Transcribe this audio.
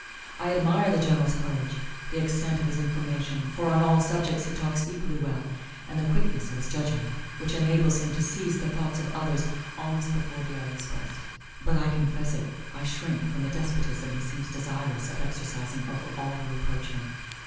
I admire the General's courage, the extent of his information, for on all subjects he talks equally well, and the quickness of his judgment, which enables him to seize the thoughts of others almost before they are expressed; but, I confess it, I shrink from the despotism he seems desirous of exercising over all who approach him.